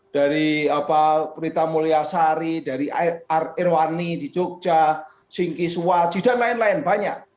dari berita mulia sari dari irwani di jogja sinki suwaji dan lain lain banyak